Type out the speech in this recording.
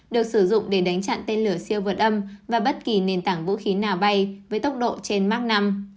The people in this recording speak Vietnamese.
được sử dụng để đánh chặn tên lửa siêu vượt âm và bất kỳ nền tảng vũ khí nào bay với tốc độ trên mark năm